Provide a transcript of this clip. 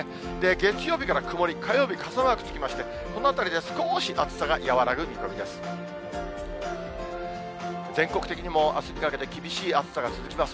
月曜日から曇り、火曜日、傘マークつきまして、このあたりで少し暑さが和らぐ見込みです。